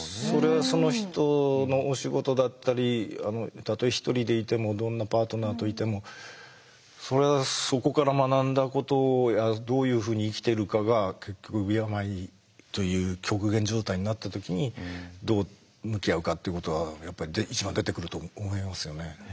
その人のお仕事だったりたとえ一人でいてもどんなパートナーといてもそれはそこから学んだことやどういうふうに生きてるかが結局病という極限状態になった時にどう向き合うかってことはやっぱり一番出てくると思いますよね。